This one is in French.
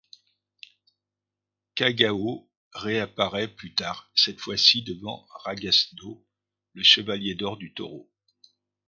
Kagaho réapparaît plus tard, cette fois ci devant Rasgado, le chevalier d’Or du Taureau.